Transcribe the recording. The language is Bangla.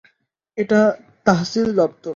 এটা তহসিল দপ্তর।